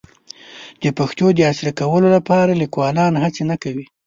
د پښتو د عصري کولو لپاره لیکوالان هڅې نه کوي.